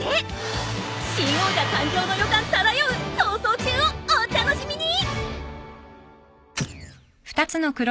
新王者誕生の予感漂う逃走中をお楽しみに！